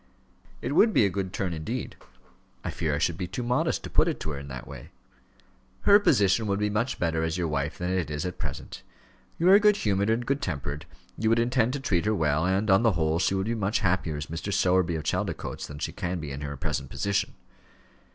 "It would be a good turn, indeed. I fear I should be too modest to put it to her in that way." "Her position would be much better as your wife than it is at present. You are good humoured and good tempered, you would intend to treat her well, and, on the whole, she would be much happier as Mrs. Sowerby, of Chaldicotes, than she can be in her present position."